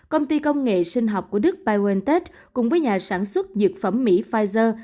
công ty công nghệ sinh học của đức biontech cùng với nhà sản xuất dược phẩm mỹ pfizer